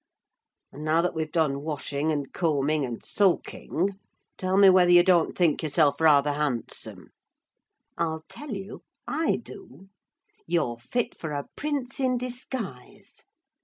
And now that we've done washing, and combing, and sulking—tell me whether you don't think yourself rather handsome? I'll tell you, I do. You're fit for a prince in disguise.